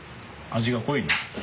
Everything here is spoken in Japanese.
味が濃い。